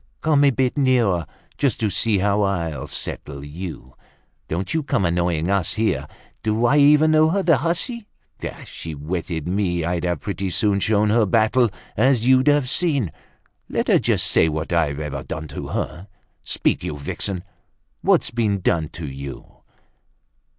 Come a bit nearer, just to see how I'll settle you! Don't you come annoying us here. Do I even know her, the hussy? If she'd wetted me, I'd have pretty soon shown her battle, as you'd have seen. Let her just say what I've ever done to her. Speak, you vixen; what's been done to you?"